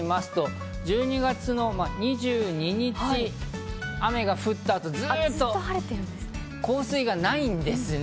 １２月の２２日、雨が降った後、ずっと降水がないんですね。